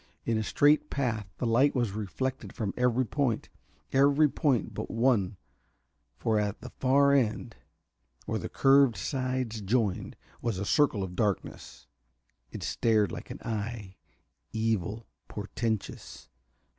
In a straight path the light was reflected from every point every point but one for at the far end, where the curved sides joined, was a circle of darkness. It stared like an eye, evil, portentous.